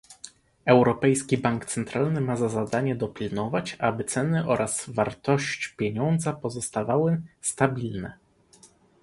Europejski Bank Centralny ma za zadanie dopilnować, aby ceny oraz wartość pieniądza pozostawały stabilne